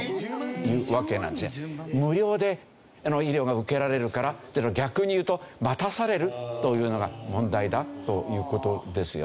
無料で医療が受けられるからっていうのは逆に言うと待たされるというのが問題だという事ですよね。